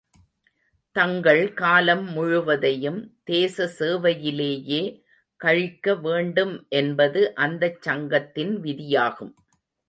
தங்கள் காலம் முழுவதையும் தேச சேவையிலேயே கழிக்க வேண்டும் என்பது அந்தச் சங்கத்தின் விதியாகும்.